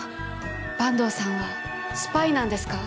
坂東さんはスパイなんですか？